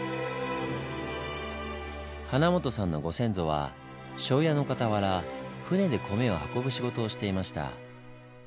花本さんのご先祖は庄屋のかたわら船で米を運ぶ仕事をしていました。